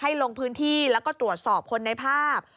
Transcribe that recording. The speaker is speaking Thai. ลงพื้นที่แล้วก็ตรวจสอบคนในภาพ